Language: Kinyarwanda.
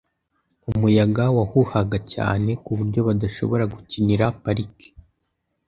Umuyaga wahuhaga cyane. kuburyo badashobora gukinira parike .